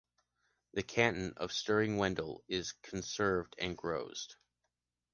The canton of Stiring-Wendel is conserved and grows.